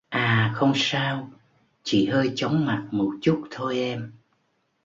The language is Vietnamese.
à không sao, chỉ hơi chóng mặt một chút thôi em